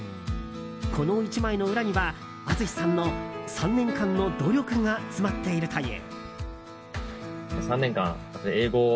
この１枚の裏にはＡｔｓｕｓｈｉさんの３年間の努力が詰まっているという。